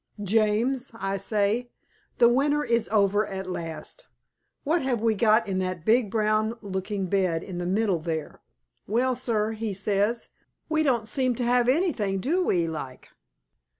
"James," I say, "the winter is over at last. What have we got in that big brown looking bed in the middle there?" "Well, Sir," he says, "we don't seem to have anything do we, like?"